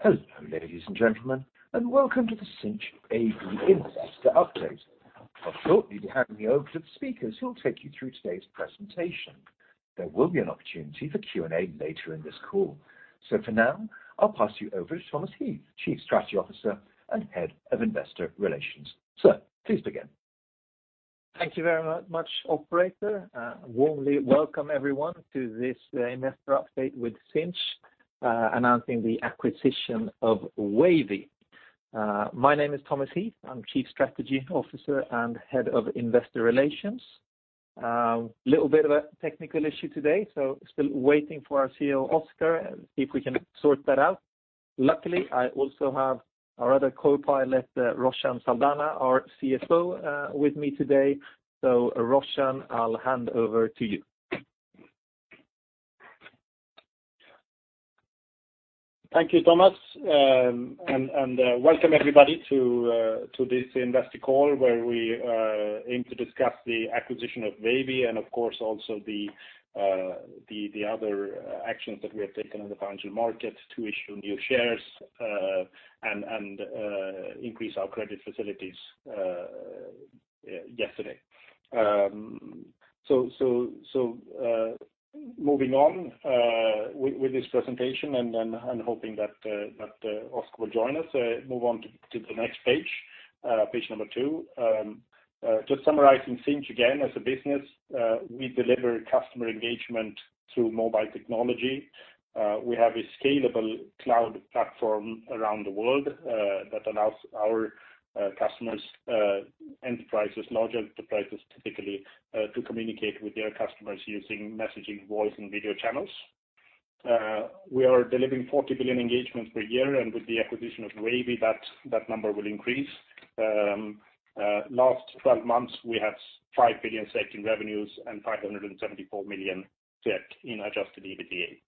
Hello, ladies and gentlemen, and welcome to the Sinch AB investor update. I'll shortly be handing you over to the speakers who will take you through today's presentation. There will be an opportunity for Q&A later in this call. For now, I'll pass you over to Thomas Heath, Chief Strategy Officer and Head of Investor Relations. Sir, please begin. Thank you very much, operator. Warmly welcome everyone to this investor update with Sinch, announcing the acquisition of Wavy. My name is Thomas Heath. I'm Chief Strategy Officer and Head of Investor Relations. Little bit of a technical issue today, so still waiting for our CEO, Oscar, and see if we can sort that out. Luckily, I also have our other co-pilot, Roshan Saldanha, our CFO, with me today. Roshan, I'll hand over to you. Thank you, Thomas, and welcome everybody to this investor call, where we aim to discuss the acquisition of Wavy and of course, also the other actions that we have taken on the financial market to issue new shares, and increase our credit facilities yesterday. Moving on with this presentation and hoping that Oscar will join us. Move on to the next page number two. Just summarizing Sinch again as a business, we deliver customer engagement through mobile technology. We have a scalable cloud platform around the world, that allows our customers, enterprises, large enterprises, typically, to communicate with their customers using messaging, voice, and video channels. We are delivering 40 billion engagements per year, and with the acquisition of Wavy, that number will increase. Last 12 months, we had 5 billion in revenues and 574 million in adjusted EBITDA.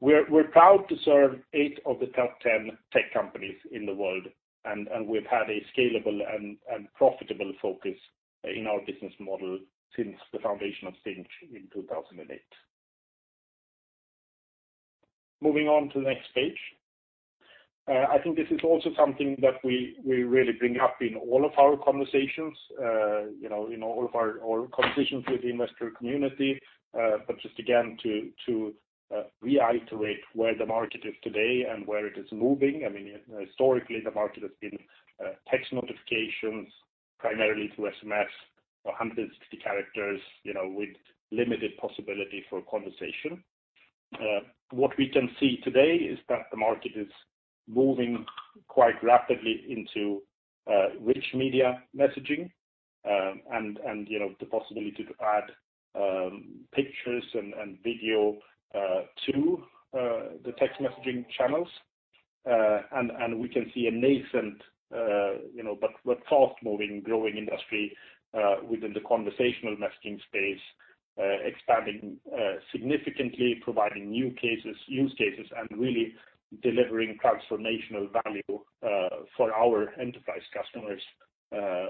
We're proud to serve eight of the top 10 tech companies in the world, and we've had a scalable and profitable focus in our business model since the foundation of Sinch in 2008. Moving on to the next page. I think this is also something that we really bring up in all of our conversations with the investor community. Just again, to reiterate where the market is today and where it is moving. Historically, the market has been text notifications, primarily through SMS, 160 characters, with limited possibility for conversation. What we can see today is that the market is moving quite rapidly into rich media messaging, and the possibility to add pictures and video to the text messaging channels. We can see a nascent but fast-moving, growing industry within the conversational messaging space expanding significantly, providing new use cases, and really delivering transformational value for our enterprise customers,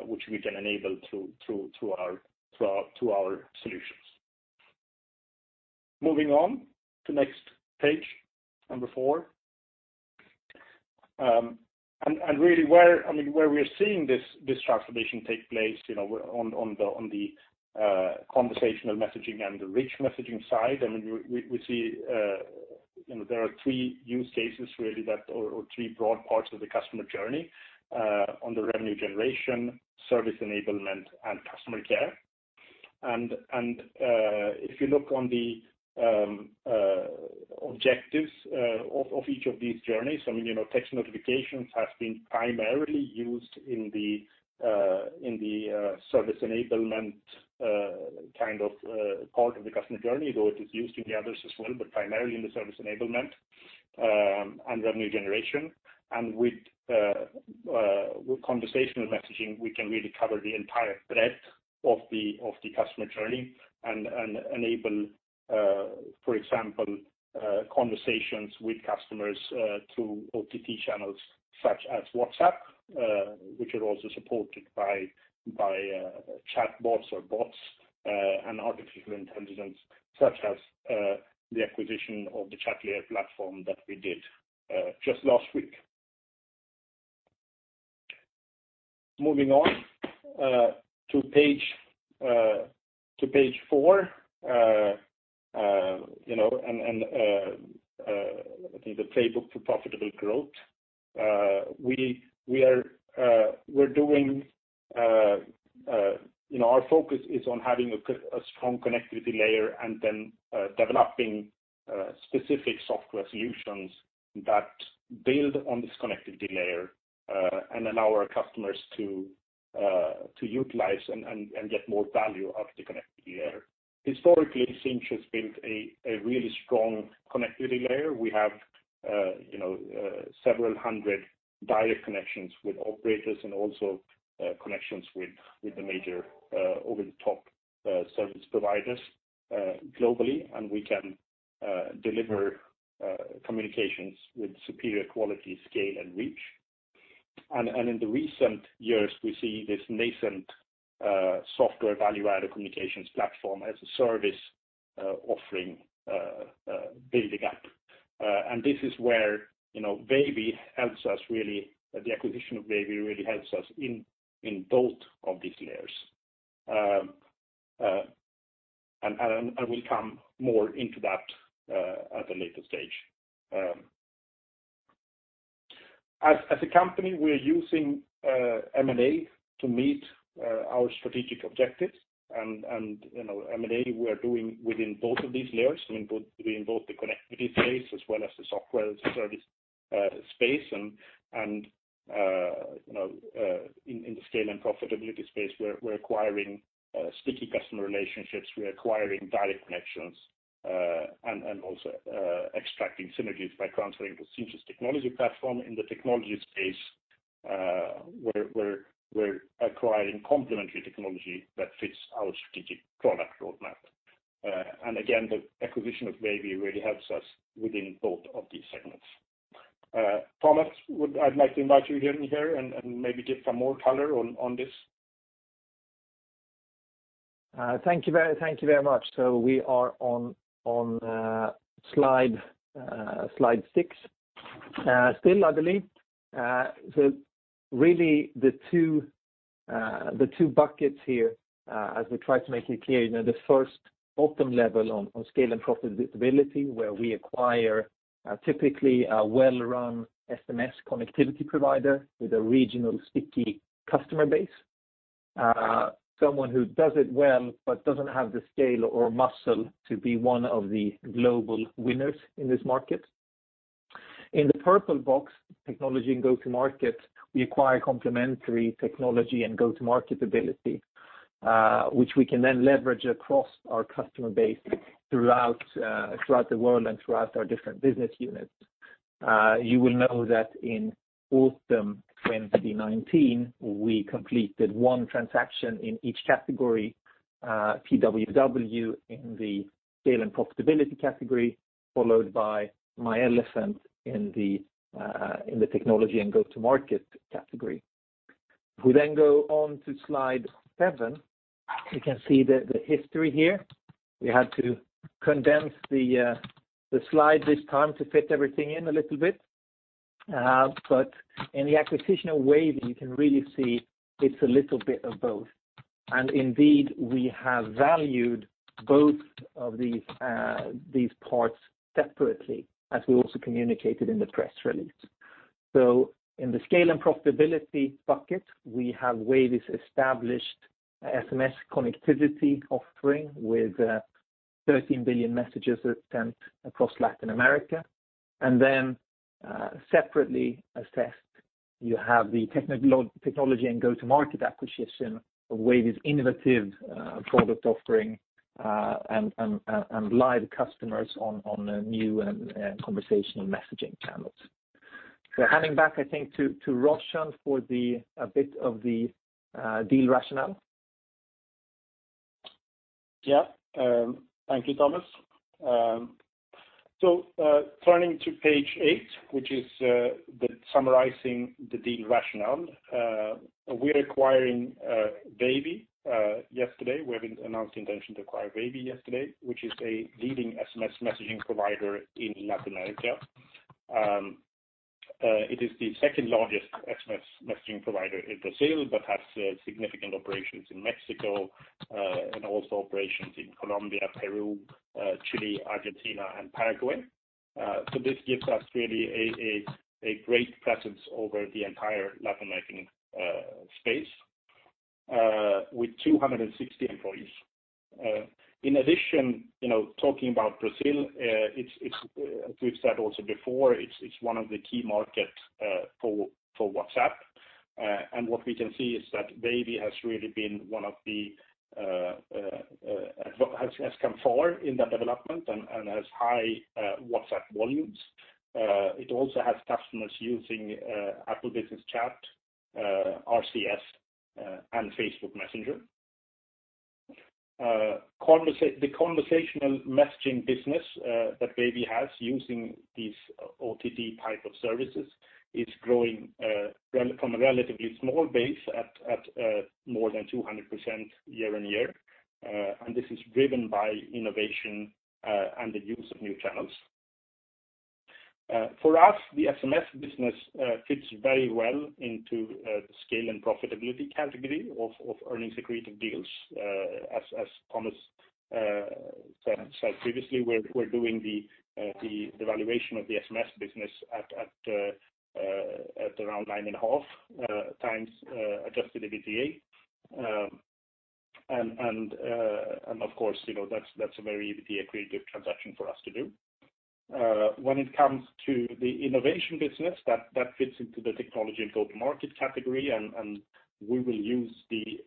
which we can enable through our solutions. Moving on to next page, number four. Really where we're seeing this transformation take place on the conversational messaging and the rich messaging side, we see there are three use cases really that or three broad parts of the customer journey, on the revenue generation, service enablement, and customer care. If you look on the objectives of each of these journeys, text notifications has been primarily used in the service enablement part of the customer journey, though it is used in the others as well, but primarily in the service enablement and revenue generation. With conversational messaging, we can really cover the entire breadth of the customer journey and enable, for example, conversations with customers through OTT channels such as WhatsApp, which are also supported by chatbots or bots and artificial intelligence, such as the acquisition of the Chatlayer platform that we did just last week. Moving on to page four, I think the playbook for profitable growth. Our focus is on having a strong connectivity layer and then developing specific software solutions that build on this connectivity layer, and allow our customers to utilize and get more value out of the connectivity layer. Historically, Sinch has built a really strong connectivity layer. We have several hundred direct connections with operators and also connections with the major over-the-top service providers globally, and we can deliver communications with superior quality, scale, and reach. In the recent years, we see this nascent software value-added communications platform as a service offering building up. This is where the acquisition of Wavy really helps us in both of these layers. I will come more into that at a later stage. As a company, we're using M&A to meet our strategic objectives, and M&A, we are doing within both of these layers, between both the connectivity space as well as the software as a service space. In the scale and profitability space, we're acquiring sticky customer relationships, we're acquiring direct connections, and also extracting synergies by transferring the Sinch's technology platform. In the technology space, we're acquiring complementary technology that fits our strategic product roadmap. Again, the acquisition of Wavy really helps us within both of these segments. Thomas, I'd like to invite you in here and maybe give some more color on this. Thank you very much. We are on slide six. Still, luckily, really the two buckets here, as we try to make it clear, the first bottom level on scale and profitability, where we acquire, typically, a well-run SMS connectivity provider with a regional sticky customer base. Someone who does it well but doesn't have the scale or muscle to be one of the global winners in this market. In the purple box, technology and go-to-market, we acquire complementary technology and go-to-market ability, which we can then leverage across our customer base throughout the world and throughout our different business units. You will know that in autumn 2019, we completed one transaction in each category, TWW in the scale and profitability category, followed by myElefant in the technology and go-to-market category. We go on to slide seven. You can see the history here. We had to condense the slide this time to fit everything in a little bit. In the acquisition of Wavy, you can really see it's a little bit of both. Indeed, we have valued both of these parts separately as we also communicated in the press release. In the scale and profitability bucket, we have Wavy's established SMS connectivity offering with 13 billion messages sent across Latin America. Separately assessed, you have the technology and go-to-market acquisition of Wavy's innovative product offering and live customers on new conversational messaging channels. Handing back, I think, to Roshan for a bit of the deal rationale. Thank you, Thomas. Turning to page eight, which is summarizing the deal rationale. We are acquiring Wavy yesterday. We have announced the intention to acquire Wavy yesterday, which is a leading SMS messaging provider in Latin America. It is the second-largest SMS messaging provider in Brazil, but has significant operations in Mexico, and also operations in Colombia, Peru, Chile, Argentina, and Paraguay. This gives us really a great presence over the entire Latin American space with 260 employees. In addition, talking about Brazil, as we've said also before, it's one of the key markets for WhatsApp. What we can see is that Wavy has come forward in that development and has high WhatsApp volumes. It also has customers using Apple Business Chat, RCS, and Facebook Messenger. The conversational messaging business that Wavy has using these OTT type of services is growing from a relatively small base at more than 200% year-on-year. This is driven by innovation and the use of new channels. For us, the SMS business fits very well into the scale and profitability category of earnings-accretive deals. As Thomas said previously, we're doing the valuation of the SMS business at around 9.5x adjusted EBITDA. Of course, that's a very EBITDA-accretive transaction for us to do. When it comes to the innovation business, that fits into the technology and go-to-market category, and we will use the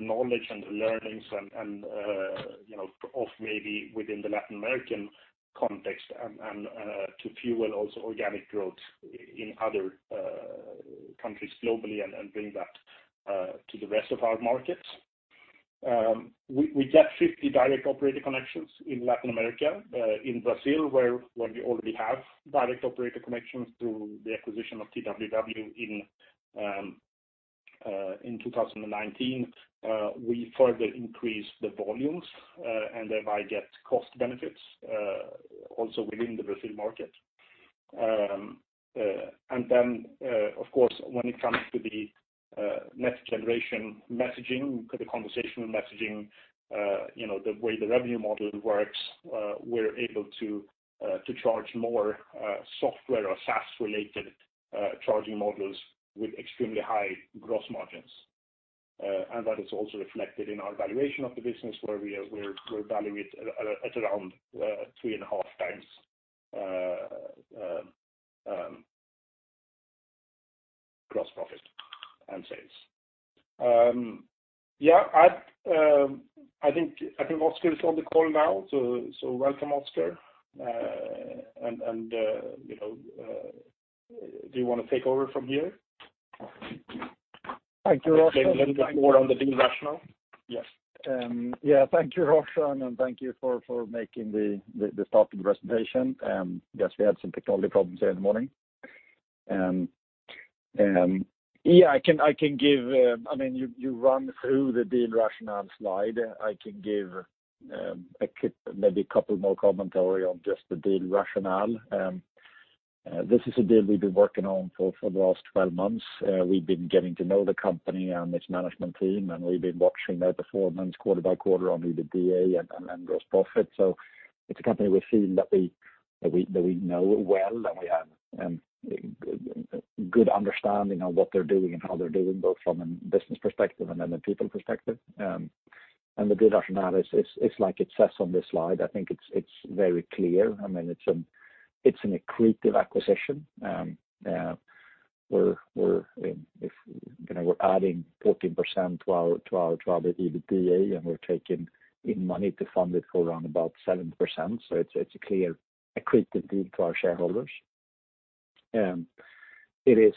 knowledge and the learnings of Wavy within the Latin American context and to fuel also organic growth in other countries globally and bring that to the rest of our markets. We get 50 direct operator connections in Latin America. In Brazil, where we already have direct operator connections through the acquisition of TWW in 2019, we further increase the volumes, thereby get cost benefits also within the Brazil market. Then, of course, when it comes to the next-generation messaging, the conversational messaging, the way the revenue model works, we're able to charge more software or SaaS-related charging models with extremely high gross margins. That is also reflected in our valuation of the business where we value it at around three and a half times gross profit and sales. Yeah. I think Oscar is on the call now, welcome, Oscar. Do you want to take over from here? Thank you, Roshan. Maybe a little bit more on the deal rationale? Yes. Yeah. Thank you, Roshan. Thank you for making the start of the presentation. Guess we had some technology problems here in the morning. Yeah, you ran through the deal rationale slide. I can give maybe a couple more commentary on just the deal rationale. This is a deal we've been working on for the last 12 months. We've been getting to know the company and its management team. We've been watching their performance quarter by quarter on EBITDA and gross profit. It's a company we feel that we know well, that we have a good understanding of what they're doing and how they're doing, both from a business perspective and then a people perspective. The deal rationale is like it says on the slide. I think it's very clear. It's an accretive acquisition. We're adding 14% to our EBITDA, and we're taking in money to fund it for around about 7%. It's a clear accretive deal to our shareholders. It is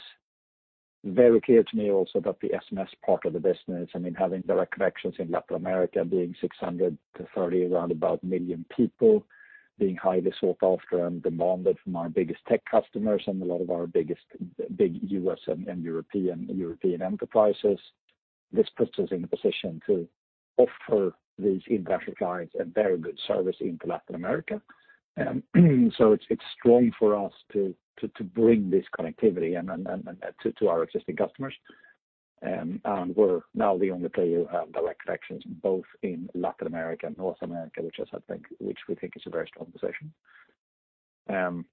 very clear to me also that the SMS part of the business, having direct connections in Latin America, being 630, around about, million people, being highly sought after and demanded from our biggest tech customers and a lot of our big U.S. and European enterprises, this puts us in a position to offer these international clients a very good service into Latin America. It's strong for us to bring this connectivity to our existing customers. We're now the only player who have direct connections both in Latin America and North America, which we think is a very strong position.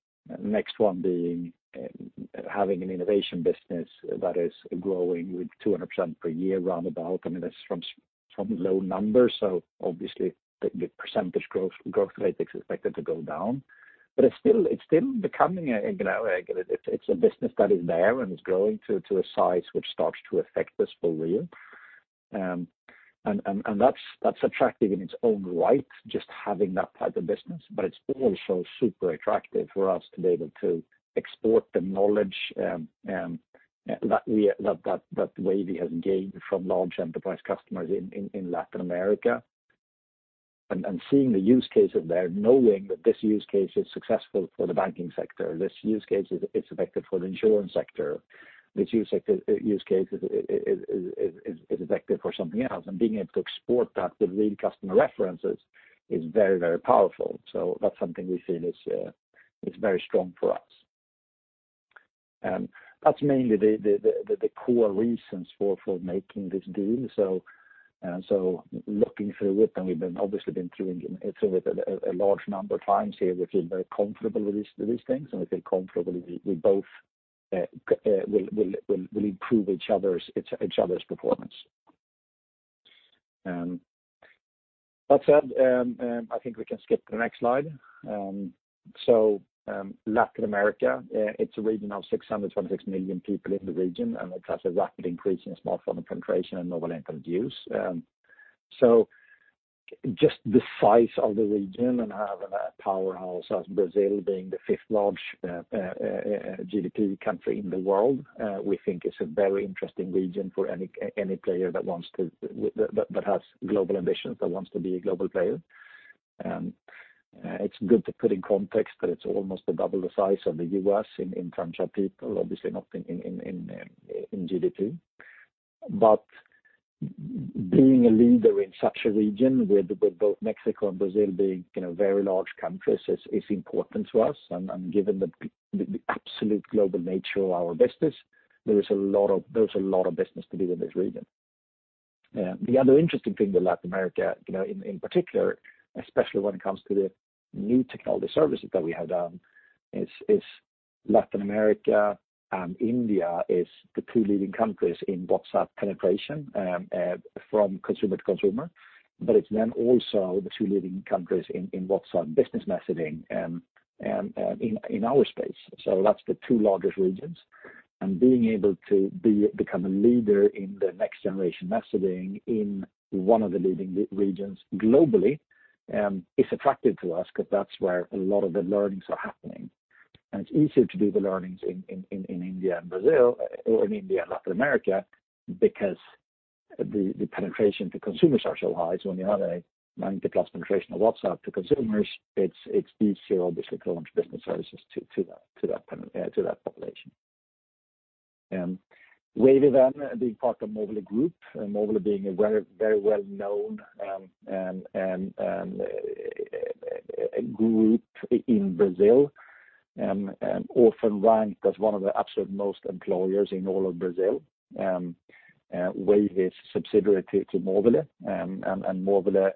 Next one being, having an innovation business that is growing with 200% per year roundabout. I mean, that's from low numbers, so obviously the percentage growth rate is expected to go down. It's still becoming a business that is there and is growing to a size which starts to affect us for real. That's attractive in its own right, just having that type of business. It's also super attractive for us to be able to export the knowledge that Wavy has gained from large enterprise customers in Latin America. Seeing the use cases there, knowing that this use case is successful for the banking sector, this use case is effective for the insurance sector, this use case is effective for something else, and being able to export that with real customer references is very, very powerful. That's something we feel is very strong for us. That's mainly the core reasons for making this deal. Looking through it, and we've obviously been through it a large number of times here. We feel very comfortable with these things, and we feel comfortable that we both will improve each other's performance. That said, I think we can skip to the next slide. Latin America, it's a region of 626 million people in the region, and it has a rapidly increasing smartphone penetration and mobile internet use. Just the size of the region and having a powerhouse as Brazil being the fifth largest GDP country in the world, we think is a very interesting region for any player that has global ambitions, that wants to be a global player. It's good to put in context that it's almost double the size of the U.S. in terms of people, obviously not in GDP. Being a leader in such a region with both Mexico and Brazil being very large countries, is important to us. Given the absolute global nature of our business, there is a lot of business to be done in this region. The other interesting thing with Latin America, in particular, especially when it comes to the new technology services that we have done, is Latin America and India is the two leading countries in WhatsApp penetration from consumer to consumer. It's then also the two leading countries in WhatsApp business messaging in our space. That's the two largest regions. Being able to become a leader in the next-generation messaging in one of the leading regions globally is attractive to us because that's where a lot of the learnings are happening. It's easier to do the learnings in India and Brazil or in India and Latin America because the penetration to consumers are so high. When you have a 90+ penetration of WhatsApp to consumers, it's easier, obviously, to launch business services to that population. Wavy then being part of Movile Group, Movile being a very well-known group in Brazil and often ranked as one of the absolute best employers in all of Brazil. Wavy is a subsidiary to Movile, and Movile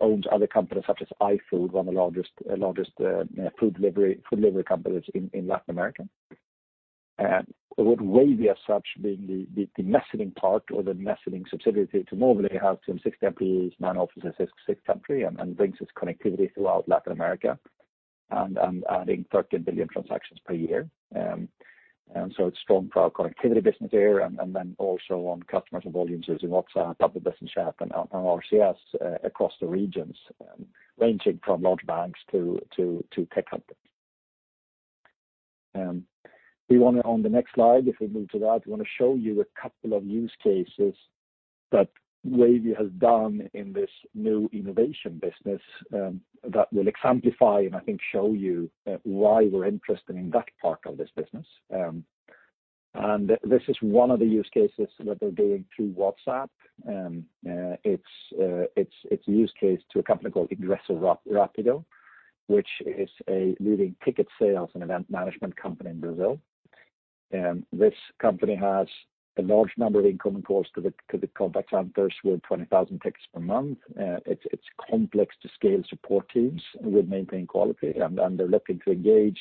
owns other companies such as iFood, one of the largest food delivery companies in Latin America. With Wavy as such, being the messaging part or the messaging subsidiary to Movile, has some 260 employees, nine offices in six countries and brings its connectivity throughout Latin America and adding 13 billion transactions per year. So it's strong connectivity business there and then also on customer volumes using WhatsApp, Apple Business Chat, and RCS across the regions, ranging from large banks to tech companies. On the next slide, if we move to that, we want to show you a couple of use cases that Wavy has done in this new innovation business that will exemplify and I think show you why we're interested in that part of this business. This is one of the use cases that they're doing through WhatsApp. It's a use case to a company called Ingresso Rápido, which is a leading ticket sales and event management company in Brazil. This company has a large number of incoming calls to the contact centers with 20,000 tickets per month. It's complex to scale support teams with maintaining quality, and they're looking to engage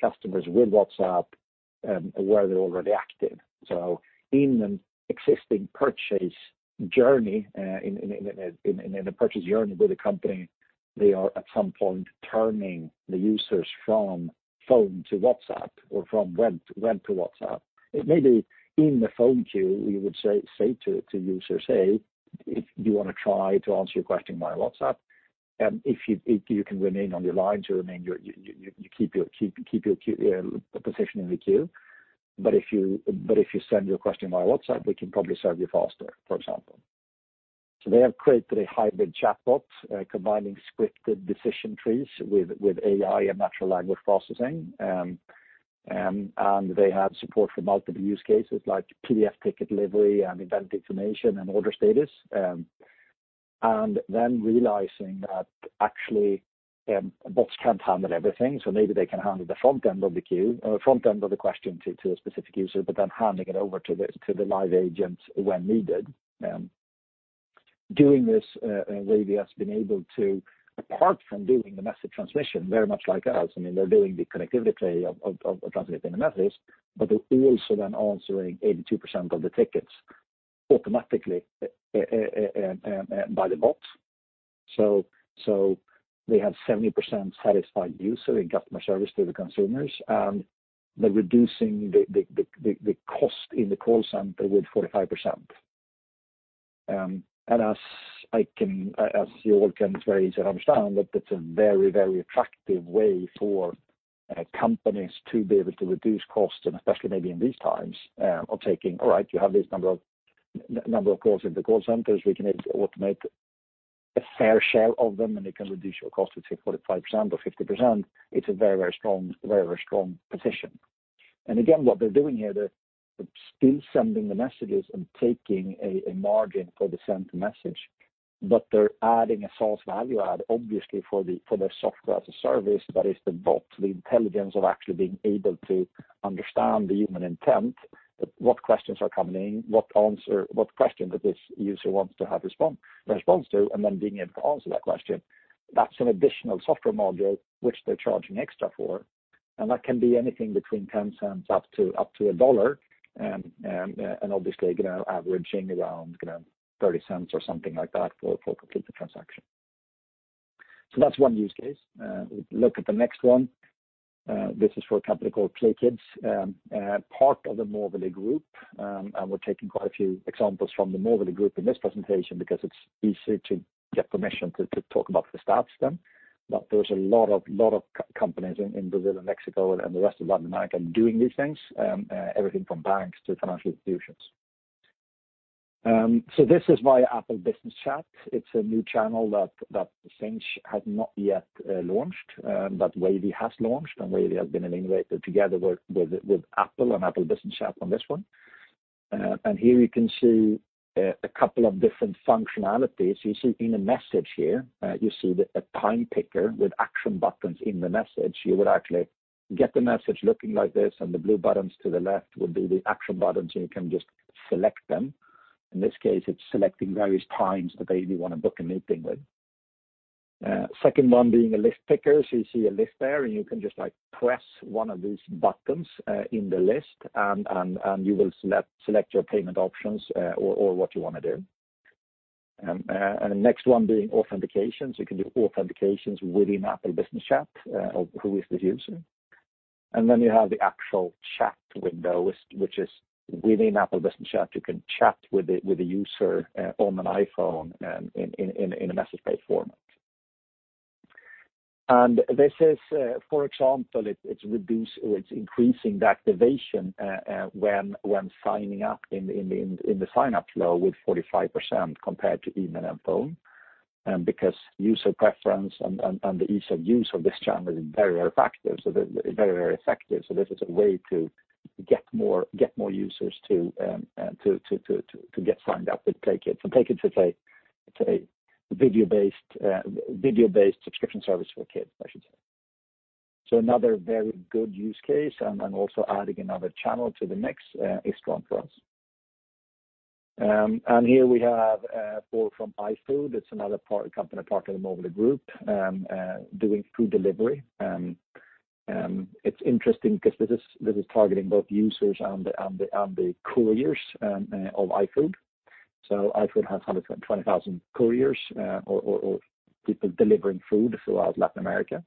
customers with WhatsApp, where they're already active. In an existing purchase journey with a company, they are at some point turning the users from phone to WhatsApp or from web to WhatsApp. It may be in the phone queue, you would say to users, "Hey, do you want to try to answer your question via WhatsApp? If you can remain on the line, you keep your position in the queue. But if you send your question via WhatsApp, we can probably serve you faster," for example. They have created a hybrid chatbot, combining scripted decision trees with AI and natural language processing. They have support for multiple use cases like PDF ticket delivery and event information and order status. Realizing that actually bots can't handle everything, so maybe they can handle the front end of the question to a specific user, but then handing it over to the live agent when needed. Doing this, Wavy has been able to, apart from doing the message transmission very much like us, they're doing the connectivity of transmitting the messages, but they're also then answering 82% of the tickets automatically by the bot. They have 70% satisfied user in customer service to the consumers, and they're reducing the cost in the call center with 45%. As you all can very easily understand that that's a very attractive way for companies to be able to reduce costs and especially maybe in these times of taking, all right, you have this number of calls in the call centers, we can able to automate a fair share of them, and it can reduce your cost, let's say 45% or 50%. It's a very strong position. Again, what they're doing here, they're still sending the messages and taking a margin for the sent message, but they're adding a software value add, obviously, for their Software-as-a-Service. That is the bot, the intelligence of actually being able to understand the human intent, what questions are coming in, what question that this user wants to have response to, and then being able to answer that question. That's an additional software module which they're charging extra for. That can be anything between SEK 0.10 up to SEK 1.00, obviously averaging around 0.30 or something like that for a completed transaction. That's one use case. Look at the next one. This is for a company called PlayKids, part of the Movile Group. We're taking quite a few examples from the Movile Group in this presentation because it's easier to get permission to talk about the stats then. There's a lot of companies in Brazil and Mexico and the rest of Latin America doing these things, everything from banks to financial institutions. This is via Apple Business Chat. It's a new channel that Sinch has not yet launched, but Wavy has launched, and Wavy has been an innovator together with Apple and Apple Business Chat on this one. Here you can see a couple of different functionalities. You see in a message here, you see a time picker with action buttons in the message. You would actually get the message looking like this, and the blue buttons to the left would be the action buttons, and you can just select them. In this case, it's selecting various times that they want to book a meeting with. Second one being a list picker. You see a list there, and you can just press one of these buttons in the list, and you will select your payment options or what you want to do. The next one being authentication. You can do authentications within Apple Business Chat of who is the user. Then you have the actual chat window, which is within Apple Business Chat. You can chat with the user on an iPhone and in a message-based format. This is, for example, it's increasing the activation when signing up in the sign-up flow with 45% compared to email and phone, because user preference and the ease of use of this channel is very, very effective. This is a way to get more users to get signed up with PlayKids. PlayKids is a video-based subscription service for kids, I should say. Another very good use case, also adding another channel to the mix is strong for us. Here we have flow from iFood. It's another company partner of the Movile Group, doing food delivery. It's interesting because this is targeting both users and the couriers of iFood. iFood has 120,000 couriers, or people delivering food throughout Latin America.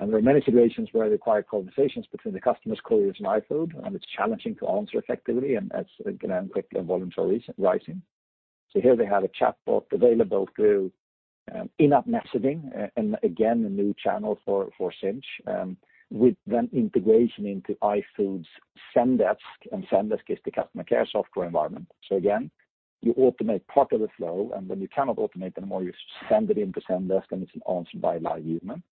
There are many situations where they require conversations between the customers, couriers, and iFood, and it's challenging to answer effectively and quickly and volume is rising. Here they have a chatbot available through in-app messaging, and again, a new channel for Sinch, with then integration into iFood's Zendesk. Zendesk is the customer care software environment. Again, you automate part of the flow, and when you cannot automate anymore, you send it into Zendesk, and it's answered by a live human.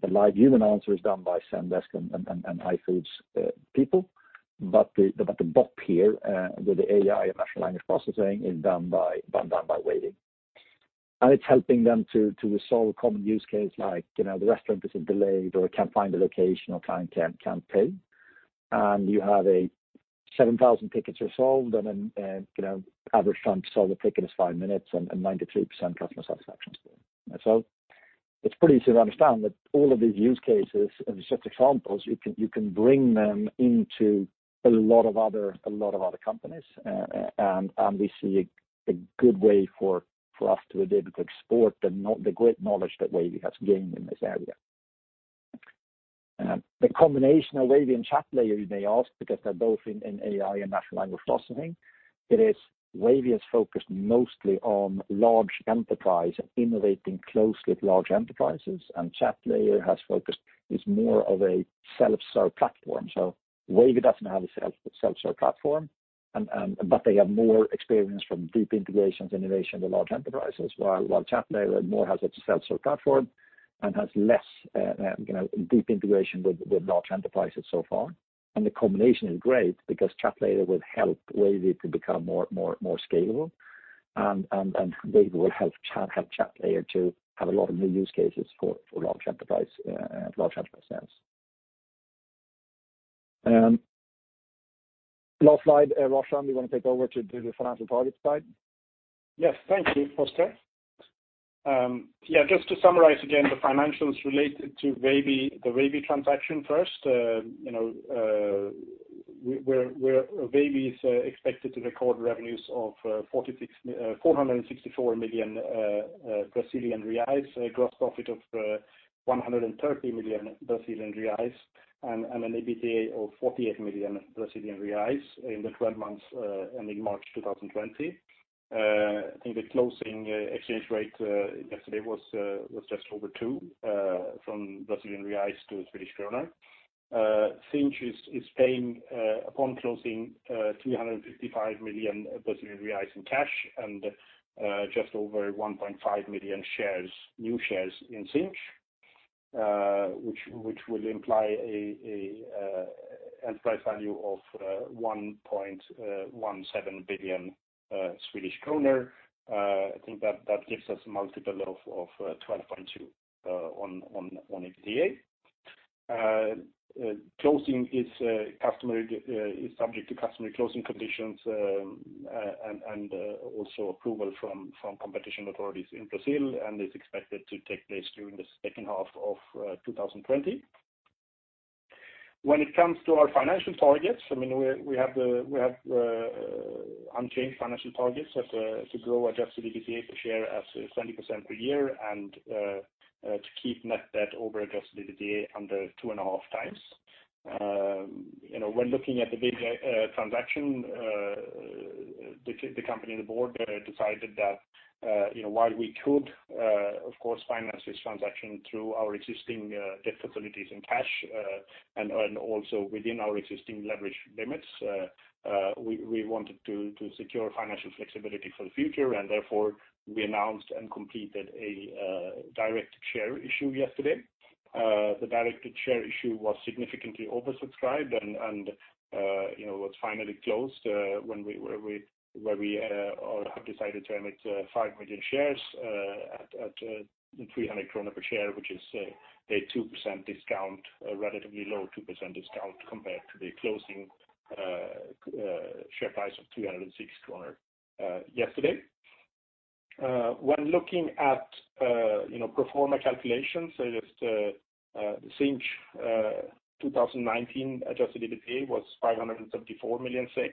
The live human answer is done by Zendesk and iFood's people. The bot here with the AI and natural language processing is done by Wavy. It's helping them to resolve a common use case like, the restaurant is delayed or can't find a location or client can't pay. You have 7,000 tickets resolved, and then average time to solve a ticket is five minutes and 93% customer satisfaction score. It's pretty easy to understand that all of these use cases are just examples. You can bring them into a lot of other companies, and we see a good way for us to be able to export the great knowledge that Wavy has gained in this area. The combination of Wavy and Chatlayer, you may ask, because they're both in AI and natural language processing. It is Wavy is focused mostly on large enterprise, innovating closely with large enterprises, and Chatlayer has focused is more of a self-serve platform. Wavy doesn't have a self-serve platform, but they have more experience from deep integrations, innovation with large enterprises, while Chatlayer more has a self-serve platform and has less deep integration with large enterprises so far. The combination is great because Chatlayer will help Wavy to become more scalable, and Wavy will help Chatlayer to have a lot of new use cases for large enterprise sales. Last slide, Roshan, you want to take over to do the financial targets slide? Yes. Thank you, Oscar. Just to summarize again, the financials related to the Wavy transaction first. Wavy is expected to record revenues of 464 million Brazilian reais, a gross profit of 130 million Brazilian reais, and an EBITDA of 48 million Brazilian reais in the 12 months ending March 2020. I think the closing exchange rate yesterday was just over two from BRL to SEK. Sinch is paying, upon closing, 355 million Brazilian reais in cash and just over 1.5 million new shares in Sinch, which will imply a enterprise value of 1.17 billion Swedish kronor. I think that gives us a multiple of 12.2x on EBITDA. Closing is subject to customary closing conditions, and also approval from competition authorities in Brazil, and is expected to take place during the second half of 2020. When it comes to our financial targets, we have unchanged financial targets to grow adjusted EBITDA per share as 20% per year and to keep net debt over adjusted EBITDA under two and a half times. When looking at the Wavy transaction, the company, the board decided that while we could, of course, finance this transaction through our existing debt facilities and cash, and also within our existing leverage limits, we wanted to secure financial flexibility for the future. Therefore, we announced and completed a directed share issue yesterday. The directed share issue was significantly oversubscribed and was finally closed where we have decided to emit 5 million shares at 300 krona per share, which is a 2% discount, a relatively low 2% discount compared to the closing share price of 360 kronor yesterday. When looking at pro forma calculations, just Sinch 2019 adjusted EBITDA was 574 million SEK.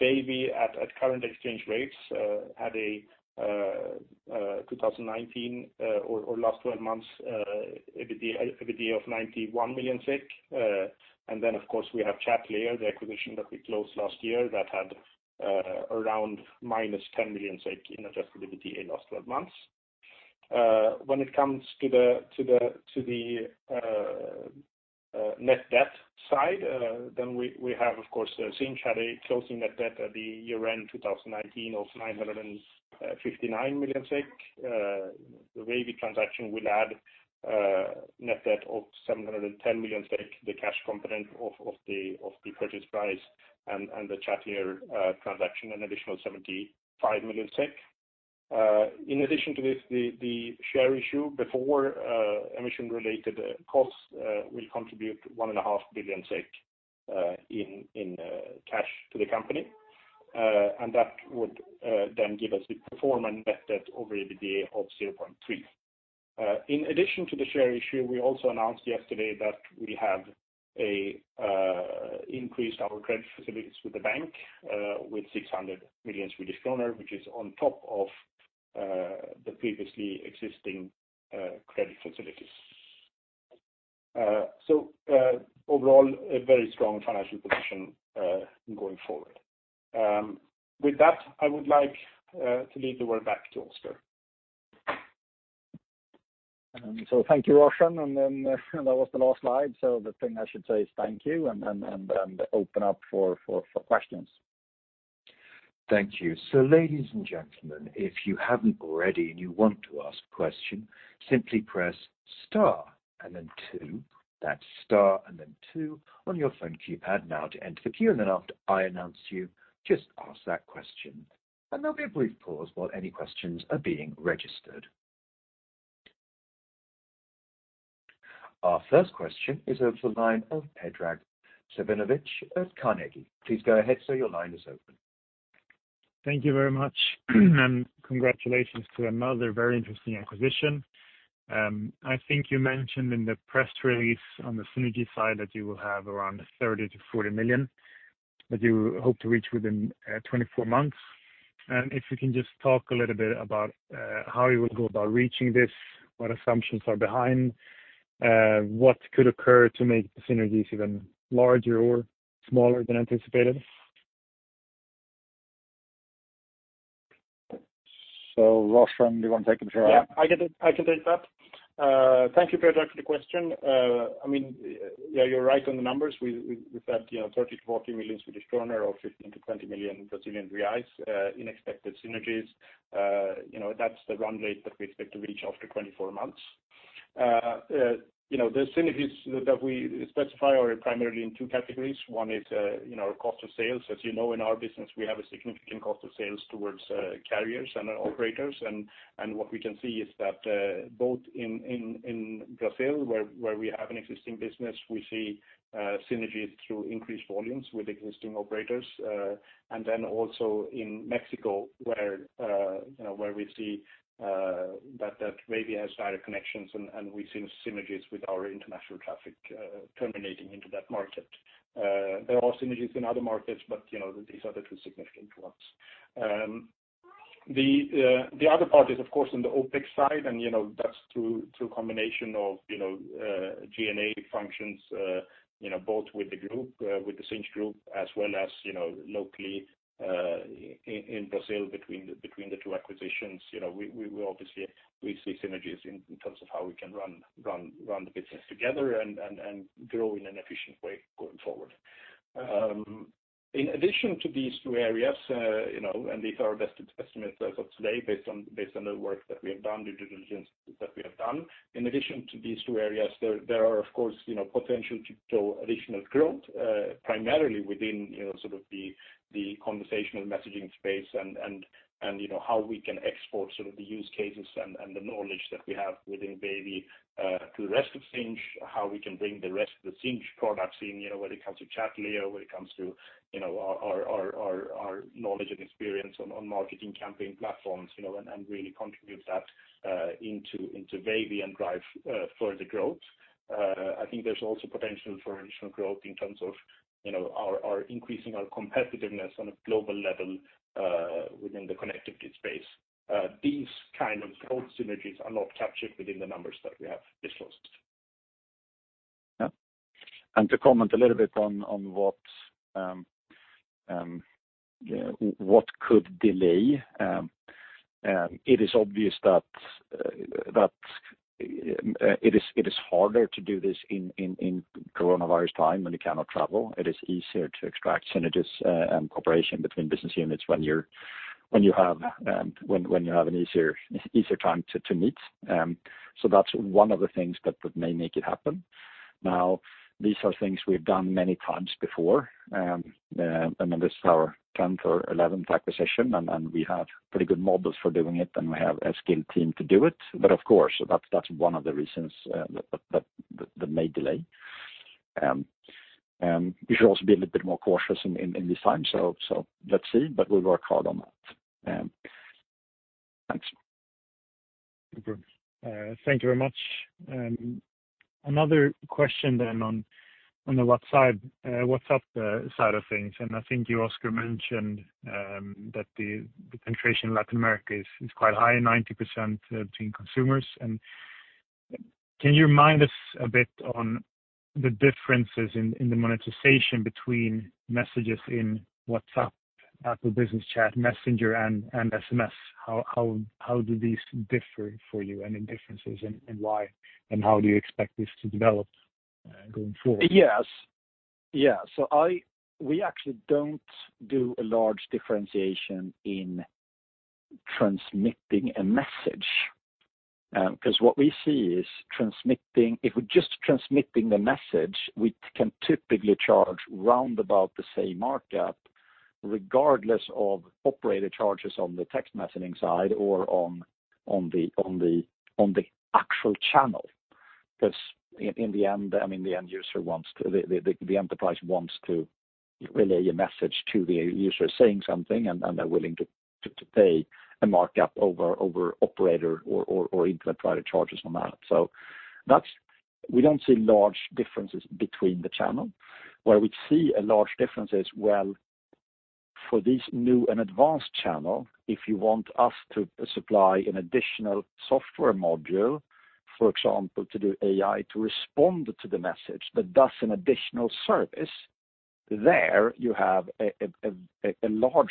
Wavy at current exchange rates had a 2019 or last 12 months EBITDA of 91 million. Of course, we have Chatlayer, the acquisition that we closed last year that had around -10 million in adjusted EBITDA last 12 months. When it comes to the net debt side, then we have, of course, Sinch had a closing net debt at the year-end 2019 of 959 million SEK. The Wavy transaction will add net debt of 710 million SEK, the cash component of the purchase price, and the Chatlayer transaction, an additional 75 million SEK. In addition to this, the share issue before emission-related costs will contribute 1.5 billion SEK in cash to the company. That would then give us the pro forma net debt over EBITDA of 0.3x. In addition to the share issue, we also announced yesterday that we have increased our credit facilities with the bank with 600 million Swedish kronor, which is on top of the previously existing credit facilities. Overall, a very strong financial position going forward. With that, I would like to leave the word back to Oscar. Thank you, Roshan. That was the last slide. The thing I should say is thank you, and then open up for questions. Thank you. Ladies and gentlemen, if you haven't already and you want to ask a question, simply press star and then two. That's star and then two on your phone keypad now to enter the queue. After I announce you, just ask that question. There'll be a brief pause while any questions are being registered. Our first question is over the line of Predrag Cvijanović of Carnegie. Please go ahead, sir. Your line is open. Thank you very much. Congratulations to another very interesting acquisition. I think you mentioned in the press release on the synergy side that you will have around 30 million-40 million that you hope to reach within 24 months. If you can just talk a little bit about how you will go about reaching this, what assumptions are behind, what could occur to make the synergies even larger or smaller than anticipated? Roshan, do you want to take it or should I? Yeah, I can take that. Thank you, Predrag, for the question. You're right on the numbers. We said 30 million-40 million Swedish kronor or 15 million-20 million Brazilian reais in expected synergies. That's the run rate that we expect to reach after 24 months. The synergies that we specify are primarily in two categories. One is our cost of sales. As you know, in our business, we have a significant cost of sales towards carriers and operators. What we can see is that both in Brazil, where we have an existing business, we see synergies through increased volumes with existing operators. Then also in Mexico, where we see that Wavy has direct connections, and we've seen synergies with our international traffic terminating into that market. There are synergies in other markets, but these are the two significant ones. The other part is, of course, on the OpEx side, and that's through a combination of G&A functions both with the Sinch group as well as locally in Brazil between the two acquisitions. We obviously see synergies in terms of how we can run the business together and grow in an efficient way going forward. In addition to these two areas, and these are our best estimates as of today based on the work that we have done, due diligence that we have done. In addition to these two areas, there are, of course, potential to show additional growth, primarily within the conversational messaging space and how we can export the use cases and the knowledge that we have within Wavy to the rest of Sinch, how we can bring the rest of the Sinch products in when it comes to Chatlayer, when it comes to our knowledge and experience on marketing campaign platforms, and really contribute that into Wavy and drive further growth. I think there's also potential for additional growth in terms of increasing our competitiveness on a global level within the connectivity space. These kinds of growth synergies are not captured within the numbers that we have disclosed. Yeah. To comment a little bit on what could delay. It is obvious that it is harder to do this in coronavirus time when you cannot travel. It is easier to extract synergies and cooperation between business units when you have an easier time to meet. That's one of the things that may make it happen. Now, these are things we've done many times before. This is our 10th or 11th acquisition, and we have pretty good models for doing it, and we have a skilled team to do it. Of course, that's one of the reasons that may delay. You should also be a little bit more cautious in this time. Let's see, but we'll work hard on that. Thanks. Thank you very much. Another question on the WhatsApp side of things, I think you, Oscar, mentioned that the penetration in Latin America is quite high, 90% between consumers. Can you remind us a bit on the differences in the monetization between messages in WhatsApp, Apple Business Chat, Messenger, and SMS? How do these differ for you? Any differences in why, how do you expect this to develop going forward? Yes. We actually don't do a large differentiation in transmitting a message, because what we see is, if we're just transmitting the message, we can typically charge round about the same markup, regardless of operator charges on the text messaging side or on the actual channel. In the end, the enterprise wants to relay a message to the user saying something, and they're willing to pay a markup over operator or internet provider charges on that. We don't see large differences between the channel. Where we see a large difference is for these new and advanced channel, if you want us to supply an additional software module, for example, to do AI to respond to the message that does an additional service, there you have a large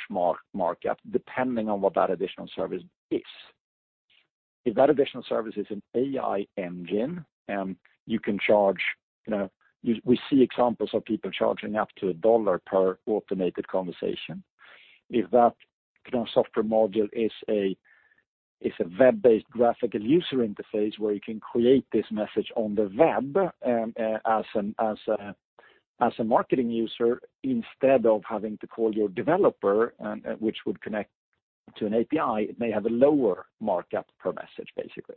markup depending on what that additional service is. If that additional service is an AI engine, we see examples of people charging up to SEK 1 per automated conversation. If that software module is a web-based graphical user interface where you can create this message on the web as a marketing user, instead of having to call your developer, which would connect to an API, it may have a lower markup per message, basically.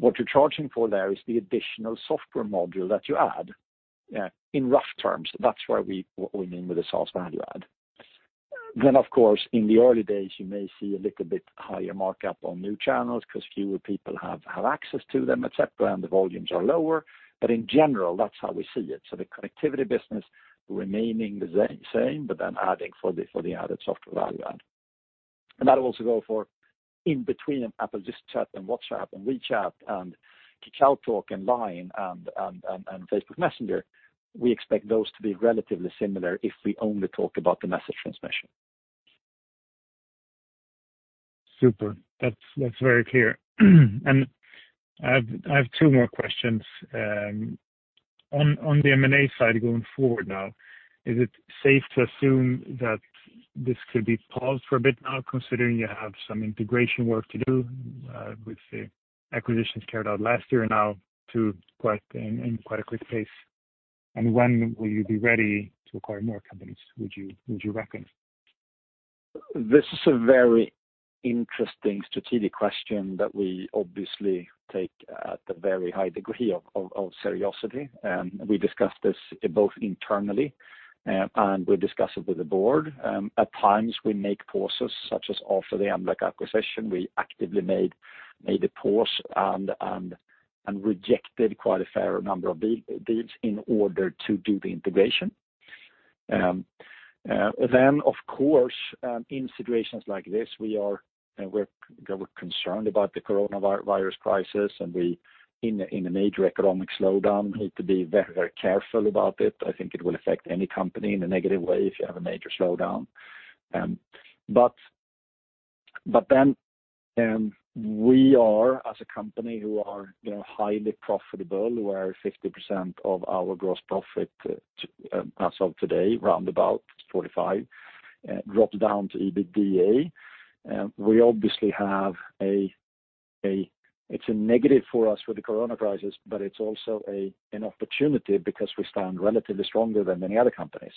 What you're charging for there is the additional software module that you add. In rough terms, that's what we mean with the software value add. Of course, in the early days, you may see a little bit higher markup on new channels because fewer people have access to them, et cetera, and the volumes are lower. In general, that's how we see it. The connectivity business remaining the same, but then adding for the added software value add. That will also go for in between Apple Business Chat and WhatsApp, and WeChat, and KakaoTalk, and LINE, and Facebook Messenger. We expect those to be relatively similar if we only talk about the message transmission. Super. That's very clear. I have two more questions. On the M&A side going forward now, is it safe to assume that this could be paused for a bit now, considering you have some integration work to do with the acquisitions carried out last year and now in quite a quick pace. When will you be ready to acquire more companies, would you reckon? This is a very interesting strategic question that we obviously take at a very high degree of seriousness. We discuss this both internally, and we discuss it with the board. At times, we make pauses, such as after the Mblox acquisition, we actively made a pause and rejected quite a fair number of deals in order to do the integration. Of course, in situations like this, we're concerned about the coronavirus crisis, and in a major economic slowdown, need to be very careful about it. I think it will affect any company in a negative way if you have a major slowdown. We are, as a company who are highly profitable, where 50% of our gross profit, as of today, round about 45%, dropped down to EBITDA. It is a negative for us with the Corona crisis, but it is also an opportunity because we stand relatively stronger than many other companies.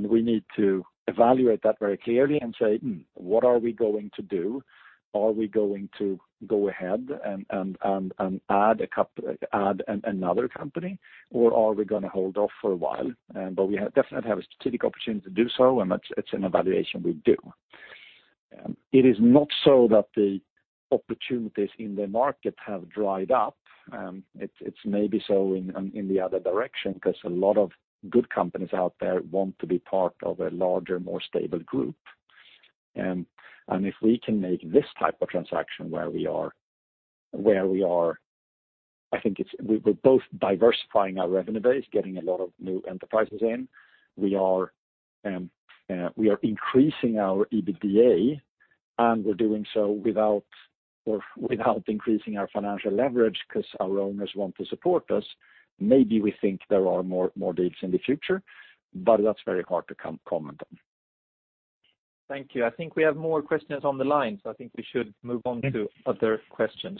We need to evaluate that very clearly and say, "Hmm, what are we going to do? Are we going to go ahead and add another company, or are we going to hold off for a while?" We definitely have a strategic opportunity to do so, and it is an evaluation we do. It is not so that the opportunities in the market have dried up. It is maybe so in the other direction, because a lot of good companies out there want to be part of a larger, more stable group. If we can make this type of transaction where we are both diversifying our revenue base, getting a lot of new enterprises in, we are increasing our EBITDA, and we're doing so without increasing our financial leverage because our owners want to support us. Maybe we think there are more deals in the future, but that's very hard to comment on. Thank you. I think we have more questions on the line, so I think we should move on to other questions.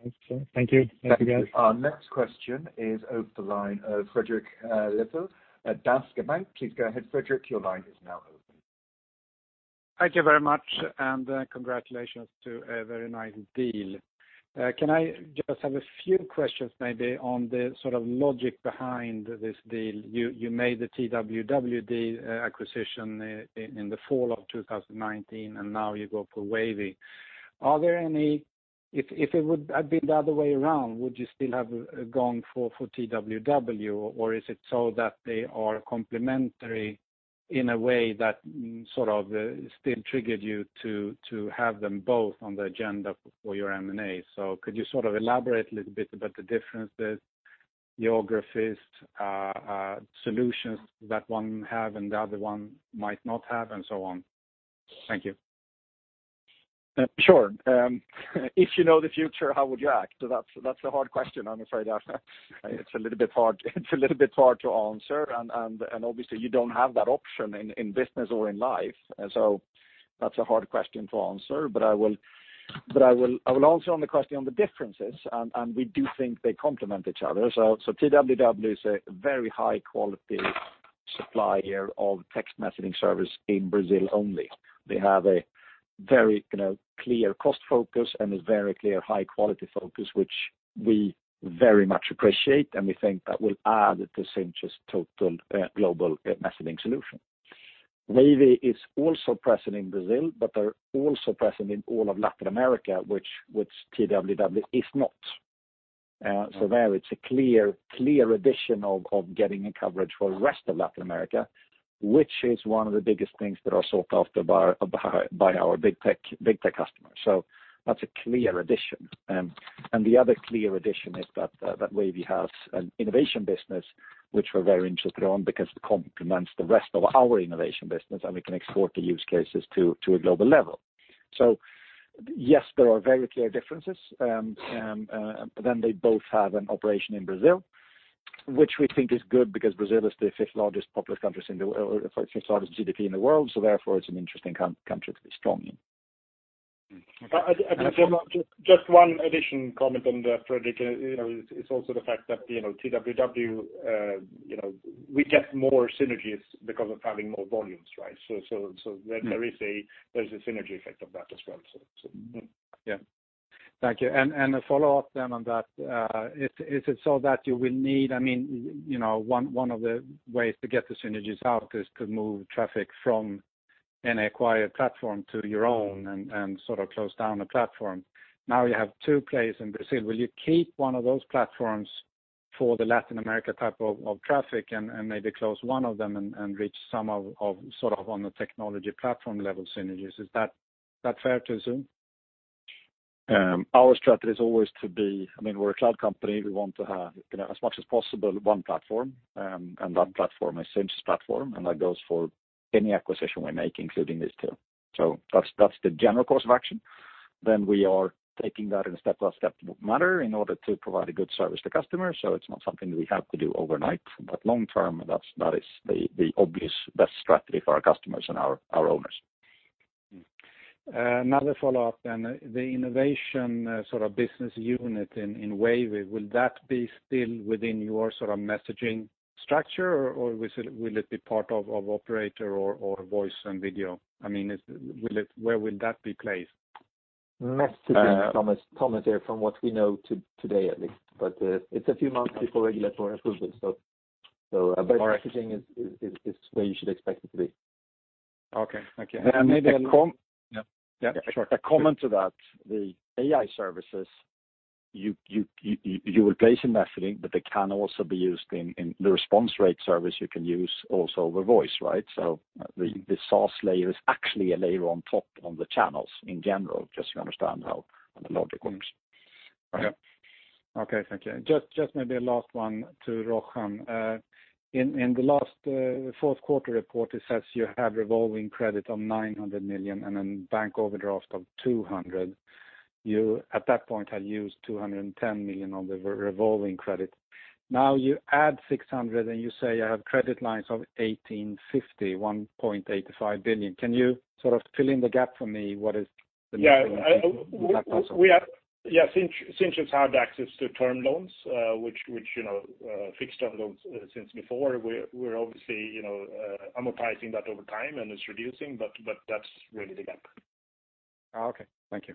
Okay. Thank you. Our next question is over the line of Fredrik Lithell, Handelsbanken Capital. Please go ahead, Fredrik, your line is now open. Thank you very much. Congratulations to a very nice deal. Can I just have a few questions maybe on the sort of logic behind this deal? You made the TWW acquisition in the fall of 2019, and now you go for Wavy. If it would have been the other way around, would you still have gone for TWW, or is it so that they are complementary in a way that still triggered you to have them both on the agenda for your M&A? Could you elaborate a little bit about the differences, geographies, solutions that one have and the other one might not have, and so on? Thank you. Sure. If you know the future, how would you act? That's a hard question, I'm afraid. It's a little bit hard to answer. Obviously, you don't have that option in business or in life. That's a hard question to answer, but I will answer on the question on the differences, and we do think they complement each other. TWW is a very high-quality supplier of text messaging service in Brazil only. They have a very clear cost focus and a very clear high-quality focus, which we very much appreciate, and we think that will add to Sinch's total global messaging solution. Wavy is also present in Brazil, but they're also present in all of Latin America, which TWW is not. There it's a clear addition of getting a coverage for rest of Latin America, which is one of the biggest things that are sought after by our big tech customers. The other clear addition is that Wavy has an innovation business, which we're very interested on because it complements the rest of our innovation business, and we can export the use cases to a global level. Yes, there are very clear differences. They both have an operation in Brazil, which we think is good because Brazil is the fifth largest popular country, fifth largest GDP in the world, so therefore it's an interesting country to be strong in. Okay. Just one addition comment on that, Fredrik. It's also the fact that TWW we get more synergies because of having more volumes, right? There is a synergy effect of that as well. Yeah. Thank you. A follow up on that, is it so that you will need, one of the ways to get the synergies out is to move traffic from an acquired platform to your own and close down a platform. You have 2 players in Brazil. Will you keep one of those platforms for the Latin America type of traffic and maybe close one of them and reach some on the technology platform level synergies? Is that fair to assume? Our strategy is always to be, we're a cloud company, we want to have, as much as possible, one platform, and that platform is Sinch's platform, and that goes for any acquisition we make, including these two. That's the general course of action. We are taking that in a step-by-step manner in order to provide a good service to customers. It's not something we have to do overnight, but long term, that is the obvious best strategy for our customers and our owners. Another follow-up. The innovation business unit in Wavy, will that be still within your messaging structure, or will it be part of operator or voice and video? Where will that be placed? Messaging, Thomas, from what we know to today at least, but it's a few months before regulatory approval. All right. Messaging is where you should expect it to be. Okay. Thank you. Maybe a- Yeah, sure. A comment to that. The AI services, you will place in messaging, but they can also be used in the response rate service, you can use also the voice, right? The software layer is actually a layer on top on the channels in general, just so you understand how the logic works. Okay. Thank you. Just maybe a last one to Roshan. In the last fourth quarter report, it says you have revolving credit of 900 million and then bank overdraft of 200 million. You, at that point, had used 210 million on the revolving credit. Now you add 600 million and you say you have credit lines of 1,850 million, 1.85 billion. Can you fill in the gap for me, what is the missing piece of that puzzle? Yeah. Sinch has had access to term loans, fixed term loans since before. We're obviously amortizing that over time, and it's reducing, but that's really the gap. Okay. Thank you.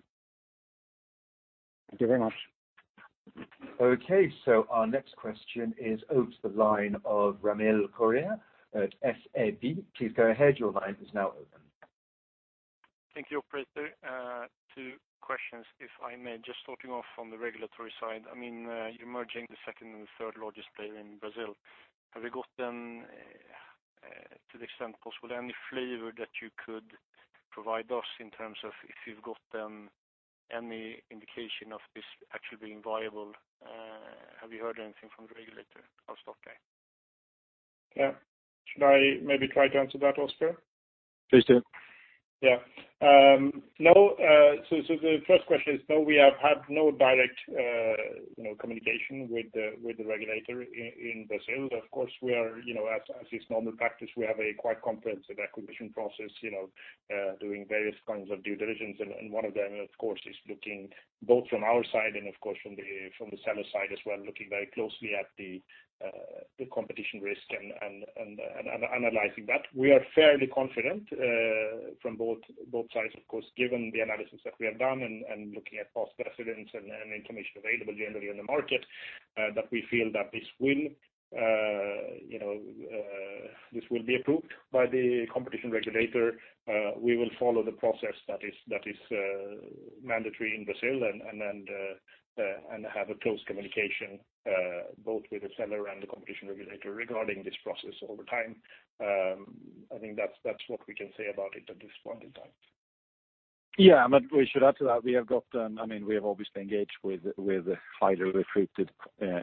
Thank you very much. Okay, our next question is over the line of Ramil Koria at SEB. Please go ahead. Your line is now open. Thank you, operator. Two questions, if I may. Just starting off on the regulatory side. You're merging the second and the third largest player in Brazil. Have you got them, to the extent possible, any flavor that you could provide us in terms of if you've got them any indication of this actually being viable? Have you heard anything from the regulator? I'll stop there. Yeah. Should I maybe try to answer that, Oscar? Please do. Yeah. The first question is, no, we have had no direct communication with the regulator in Brazil. Of course we are, as is normal practice, we have a quite comprehensive acquisition process, doing various kinds of due diligence, and one of them, of course, is looking both from our side and of course from the seller side as well, looking very closely at the competition risk and analyzing that. We are fairly confident, from both sides, of course, given the analysis that we have done and looking at past precedents and information available generally in the market, that we feel that this will be approved by the competition regulator. We will follow the process that is mandatory in Brazil and have a close communication, both with the seller and the competition regulator regarding this process over time. I think that's what we can say about it at this point in time. We should add to that, we have obviously engaged with highly recruited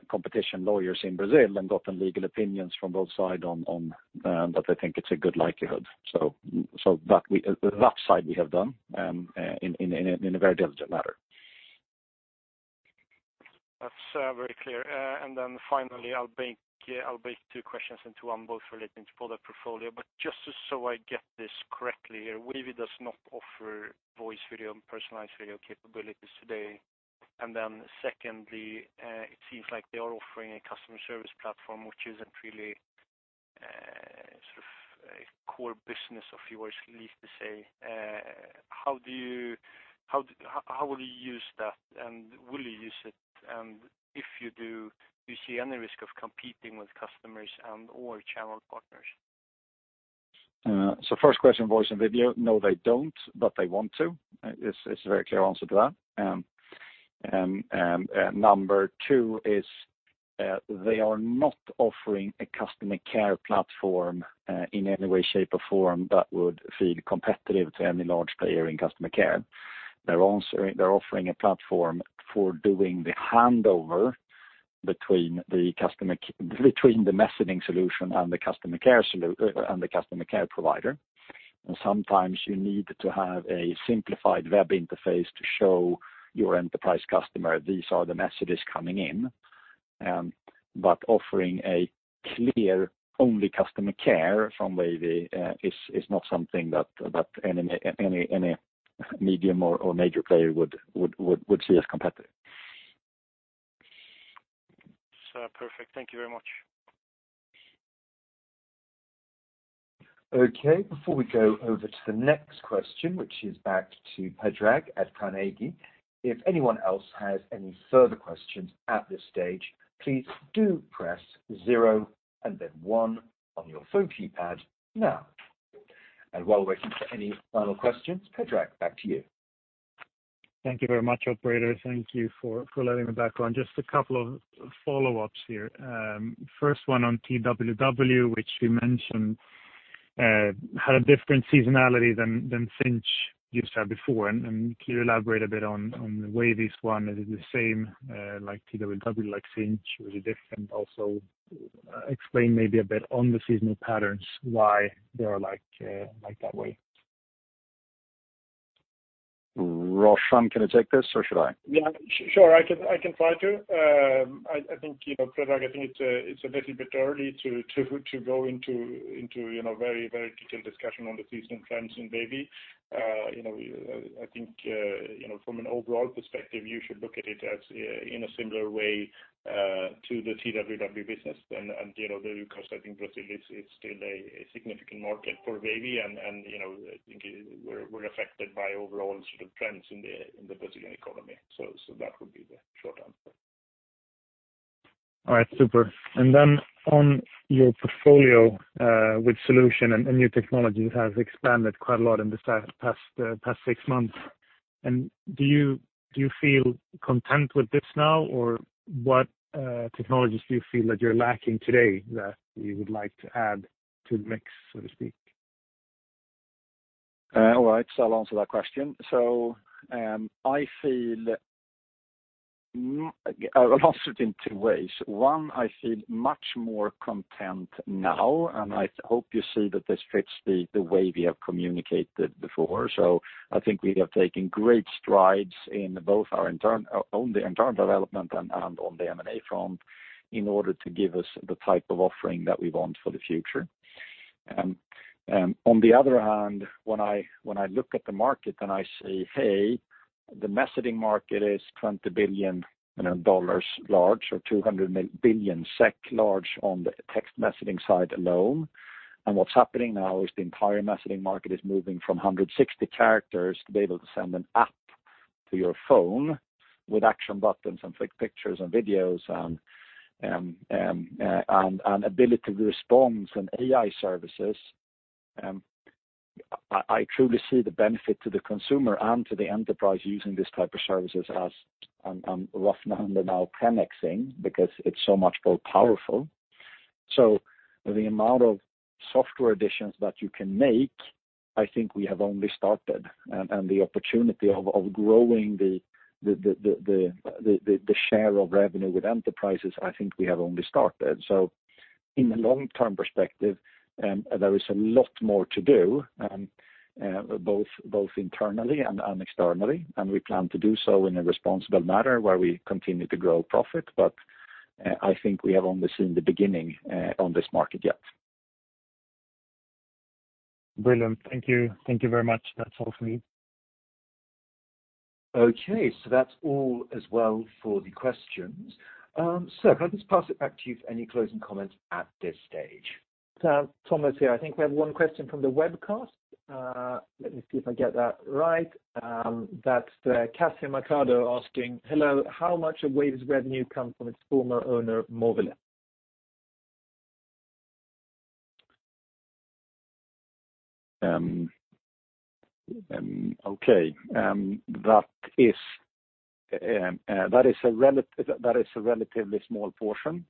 competition lawyers in Brazil and gotten legal opinions from both sides on that they think it's a good likelihood. That side we have done in a very diligent matter. That's very clear. Finally, I'll bake two questions into one, both relating to product portfolio, but just so I get this correctly here, Wavy does not offer voice, video, and personalized video capabilities today. Secondly, it seems like they are offering a customer service platform, which isn't really a core business of yours, least to say. How will you use that, and will you use it? If you do you see any risk of competing with customers and/or channel partners? First question, voice and video. No, they don't, but they want to. It's a very clear answer to that. Number 2 is, they are not offering a customer care platform in any way, shape, or form that would feel competitive to any large player in customer care. They're offering a platform for doing the handover between the messaging solution and the customer care provider. Sometimes you need to have a simplified web interface to show your enterprise customer, these are the messages coming in. Offering a uncertain customer care from Wavy is not something that any medium or major player would see as competitive. Perfect. Thank you very much. Okay. Before we go over to the next question, which is back to Predrag at Carnegie, if anyone else has any further questions at this stage, please do press zero and then one on your phone keypad now. While waiting for any final questions, Predrag, back to you. Thank you very much, operator. Thank you for letting me back on. Just a couple of follow-ups here. First one on TWW, which you mentioned had a different seasonality than Sinch used to have before. Can you elaborate a bit on the way this one, is it the same like TWW, like Sinch, or is it different? Also, explain maybe a bit on the seasonal patterns, why they are like that way. Roshan, can you take this, or should I? Yeah, sure. I can try to. Predrag, I think it's a little bit early to go into very detailed discussion on the seasonal trends in Wavy. I think, from an overall perspective, you should look at it as in a similar way to the TWW business. Because I think Brazil is still a significant market for Wavy, and I think we're affected by overall trends in the Brazilian economy. That would be the short answer. All right. Super. On your portfolio with solution and new technologies has expanded quite a lot in this past six months. Do you feel content with this now, or what technologies do you feel that you're lacking today that you would like to add to the mix, so to speak? All right. I'll answer that question. I'll answer it in two ways. One, I feel much more content now, and I hope you see that this fits the way we have communicated before. I think we have taken great strides in both on the internal development and on the M&A front in order to give us the type of offering that we want for the future. On the other hand, when I look at the market and I say, "Hey, the messaging market is 20 billion large, or 200 billion SEK large on the text messaging side alone." What's happening now is the entire messaging market is moving from 160 characters to be able to send an app to your phone with action buttons and flick pictures and videos, and ability to respond, and AI services. I truly see the benefit to the consumer and to the enterprise using this type of services as, uncertain because it's so much more powerful. The amount of software additions that you can make, I think we have only started, and the opportunity of growing the share of revenue with enterprises, I think we have only started. In the long-term perspective, there is a lot more to do, both internally and externally, and we plan to do so in a responsible manner where we continue to grow profit. I think we have only seen the beginning on this market yet. Brilliant. Thank you. Thank you very much. That's all for me. Okay, that's all as well for the questions. Sir, can I just pass it back to you for any closing comments at this stage? Thomas here. I think we have one question from the webcast. Let me see if I get that right. That's Cassie Mercado asking, "Hello. How much of Wavy's revenue comes from its former owner, Movile? Okay. That is a relatively small portion.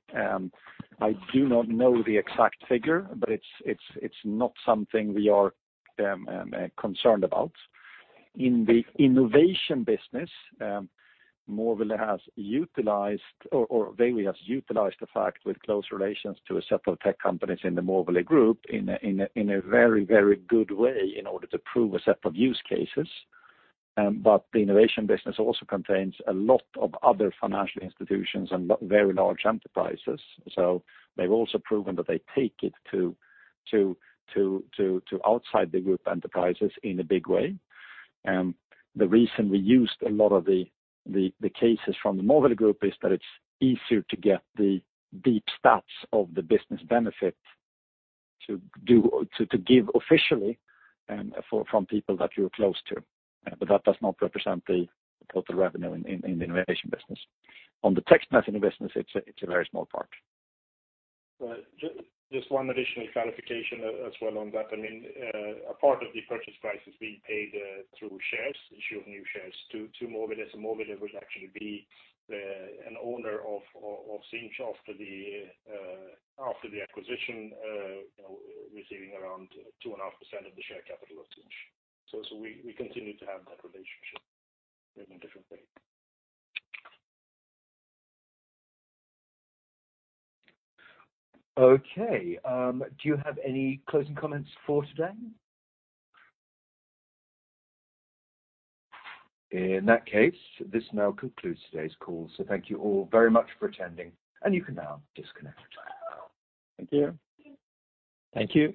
I do not know the exact figure, but it's not something we are concerned about. In the innovation business, Movile has utilized, or Wavy has utilized the fact with close relations to a set of tech companies in the Movile Group in a very, very good way in order to prove a set of use cases. The innovation business also contains a lot of other financial institutions and very large enterprises. They've also proven that they take it to outside the group enterprises in a big way. The reason we used a lot of the cases from the Movile Group is that it's easier to get the deep stats of the business benefit to give officially from people that you're close to. That does not represent the total revenue in the innovation business. On the text messaging business, it's a very small part. Just one additional clarification as well on that. A part of the purchase price is being paid through shares, issue of new shares to Movile, so Movile would actually be an owner of Sinch after the acquisition, receiving around 2.5% of the share capital of Sinch. We continue to have that relationship in a different way. Okay. Do you have any closing comments for today? In that case, this now concludes today's call, so thank you all very much for attending, and you can now disconnect. Thank you. Thank you.